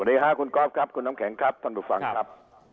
สวัสดีค่ะคุณก๊อฟครับคุณน้ำแข็งครับท่านผู้ฟังครับ